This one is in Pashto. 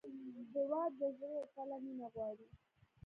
هېواد د زړه له تله مینه غواړي.